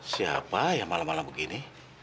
siapa ya malam malam begini